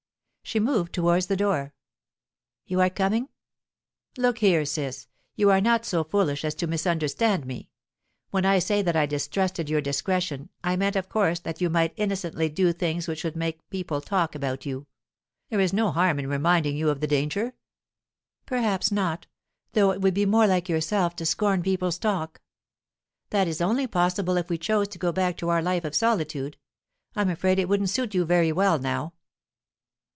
She moved towards the door. "You are coming?" "Look here, Ciss, you are not so foolish as to misunderstand me. When I said that I distrusted your discretion, I meant, of course, that you might innocently do things which would make people talk about you. There is no harm in reminding you of the danger." "Perhaps not; though it would be more like yourself to scorn people's talk." "That is only possible if we chose to go back to our life of solitude. I'm afraid it wouldn't suit you very well now."